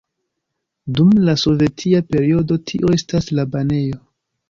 Dum la sovetia periodo tio estas la banejo.